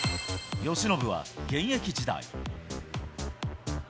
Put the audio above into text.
由伸は現役時代。